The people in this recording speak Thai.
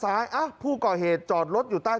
ทำไมคงคืนเขาว่าทำไมคงคืนเขาว่า